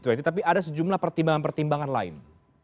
atau sejumlah pertimbangan pertimbangan lain